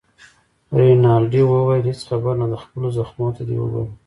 رینالډي وویل: هیڅ خبره نه ده، خپلو زخمو ته دې وګوره.